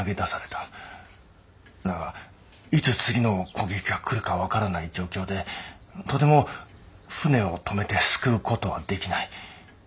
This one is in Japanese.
だがいつ次の攻撃が来るか分からない状況でとても船を止めて救う事はできない。